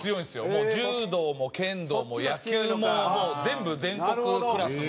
もう柔道も剣道も野球も全部全国クラスの。